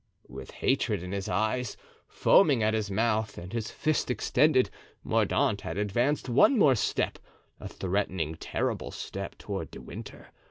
With hatred in his eyes, foaming at his mouth, and his fist extended, Mordaunt had advanced one more step, a threatening, terrible step, toward De Winter.